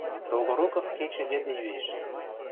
Долгоруков кечӹ йӹде йӱэш.